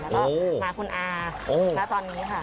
แล้วก็มาคุณอาณาตอนนี้ค่ะ